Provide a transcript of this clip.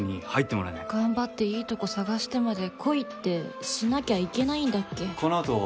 頑張っていいとこ探してまで来いってしないといけないんだっけ？